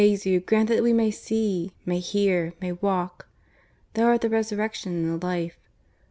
Jesu! grant that we may see may hear may walk. ... Thou art the Resurrection and the Life.